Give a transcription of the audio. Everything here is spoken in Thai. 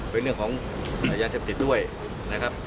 เป็นเรื่องของยาเสพติดด้วยนะครับ